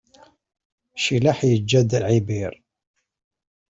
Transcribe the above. Cilaḥ iǧǧa-d Ɛibir.